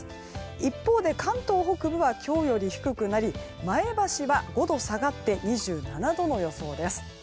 一方で関東北部は今日より低くなり前橋は５度下がって２７度の予想です。